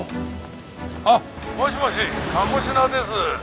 あっもしもし鴨志田です。